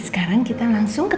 sekarang kita nyanyi untuk rena